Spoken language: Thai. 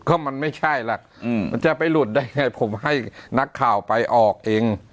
ก็มันไม่ใช่ล่ะมันจะไปหลุดได้ไงผมให้นักข่าวไปออกเอง